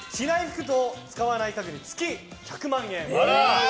着ない服と使わない家具に月１００万円！